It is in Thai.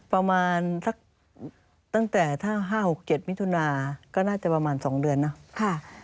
ประมาณสักตั้งแต่ถ้าห้าหกเจ็ดมิถุนาก็น่าจะประมาณสองเดือนเนอะ